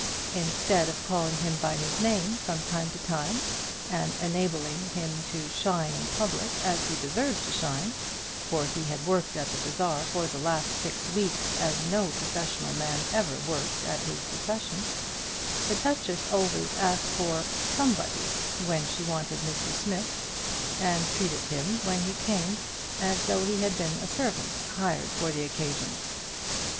Instead of calling him by his name from time to time, and enabling him to shine in public as he deserved to shine, for he had worked at the bazaar for the last six weeks as no professional man ever worked at his profession, the duchess always asked for "somebody" when she wanted Mr Smith, and treated him when he came as though he had been a servant hired for the occasion.